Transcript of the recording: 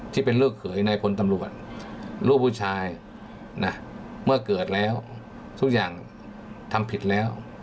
ที่เป็นลูกเขยในพลตำรวจลูกผู้ชายนะเมื่อเกิดแล้วทุกอย่างทำผิดแล้ว